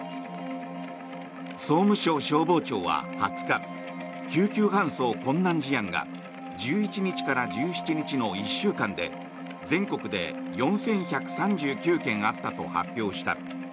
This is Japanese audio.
総務省消防庁は２０日救急搬送困難事案が１１日から１７日の１週間で全国で４１３９件あったと発表した。